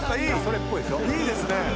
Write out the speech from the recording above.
いいですね。